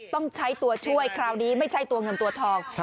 ต้องใช้ตัวช่วยคราวนี้ไม่ใช่ตัวเงินตัวทอง